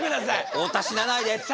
太田死なないでって。